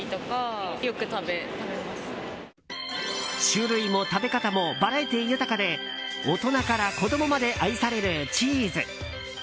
種類も食べ方もバラエティー豊かで大人から子供まで愛されるチーズ。